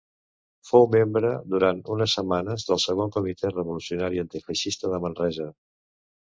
Fou membre durant unes setmanes del segon Comitè Revolucionari Antifeixista de Manresa.